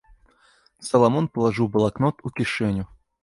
Саламон палажыў блакнот у кішэню.